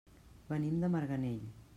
Venim de Marganell.